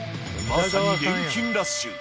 まさに錬金ラッシュ。